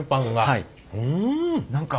はい。